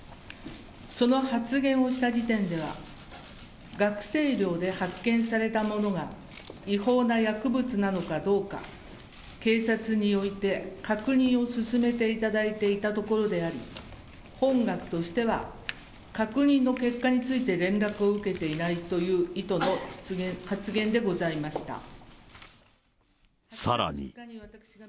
その発言をした時点では、学生寮で発見されたものが違法な薬物なのかどうか、警察において確認を進めていただいていたところであり、本学としては、確認の結果について連絡を受けていないという意図の発言でございさらに。